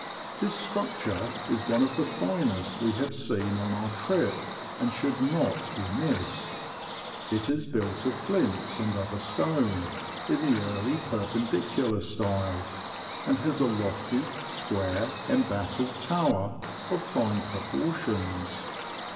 This structure is one of the finest we have seen on our trip, and should not be missed. It is built of flints and other stone, in the early Perpendicular style, and has a lofty, square, embattled tower, of fine proportions.